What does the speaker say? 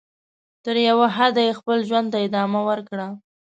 تر یوه حده یې خپل ژوند ته ادامه ورکړه.